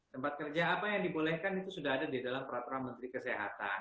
tempat kerja apa yang dibolehkan itu sudah ada di dalam peraturan menteri kesehatan